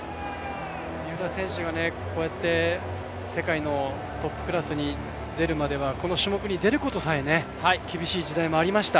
三浦選手がこうやって世界のトップクラスに出るまではこの種目に出ることさえ厳しい時代もありました。